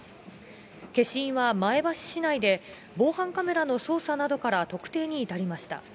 消印は前橋市内で、防犯カメラの捜査などから特定に至りました。